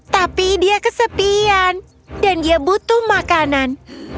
tapi dia kesepian dan dia butuh makanan